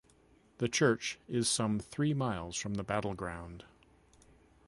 The church is some three miles from the battle ground.